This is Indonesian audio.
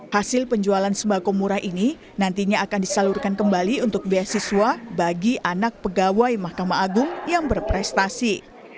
hasil penjualan sembako murah ini nantinya akan disalurkan kembali untuk beasiswa bagi anak pegawai mahkamah agung yang berprestasi